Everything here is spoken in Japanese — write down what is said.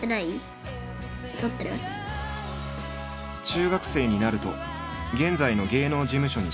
中学生になると現在の芸能事務所に所属。